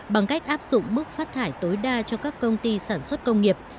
bằng cách áp dụng mức phát thải tối đa cho các công ty sản xuất công nghiệp